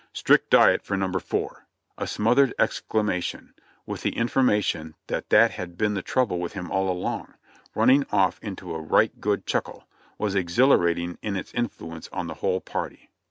"Strict diet for No. 4." A smothered exclamation, with the infor mation that that had been the trouble with him all along, running off into a right good chuckle, was exhilarating in its influence on the whole party.